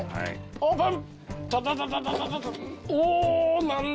オープン。